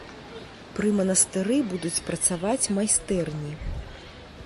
Пры манастыры будуць працаваць майстэрні.